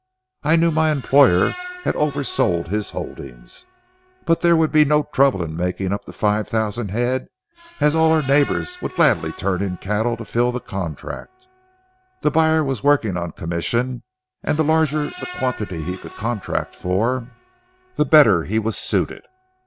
I knew my employer had oversold his holdings, but there would be no trouble in making up the five thousand head, as all our neighbors would gladly turn in cattle to fill the contract. The buyer was working on commission, and the larger the quantity he could contract for, the better he was suited.